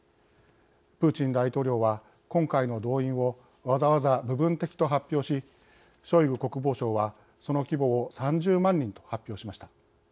プーチン大統領は今回の動員をわざわざ部分的と発表しショイグ国防相は、その規模を３０万人と発表しました。